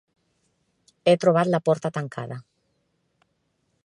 He trobat la porta tancada.